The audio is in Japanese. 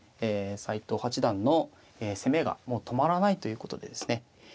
斎藤八段の攻めがもう止まらないということでですね